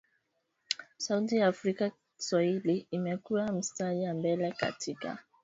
sauti ya afrika Swahili imekua mstari wa mbele katika